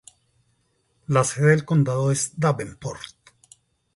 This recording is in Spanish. La sede del condado es Davenport.